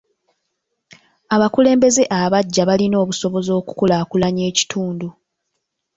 Abakulembeze abaggya balina obusobozi okukulaakulanya ekitundu.